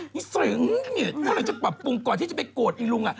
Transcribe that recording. นิสึงเนี่ยก็เลยจะปรับปรุงก่อนที่จะไปโกดนี่ลุงอะ